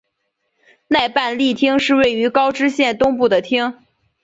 奈半利町是位于高知县东部的町。